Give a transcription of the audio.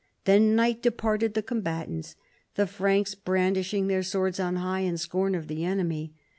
Then night disparted the combatants, the Franks brandishing their swords on high in scorn of the enemy.